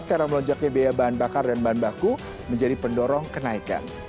sekarang melonjaknya biaya bahan bakar dan bahan baku menjadi pendorong kenaikan